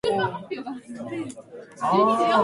僕の声は素敵です